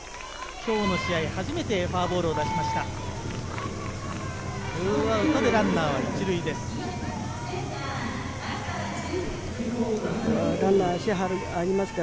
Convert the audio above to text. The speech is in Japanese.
今日の試合、初めてフォアボールを出しました。